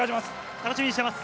楽しみにしてます。